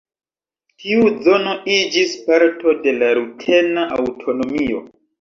Tiu zono iĝis parto de la rutena aŭtonomio.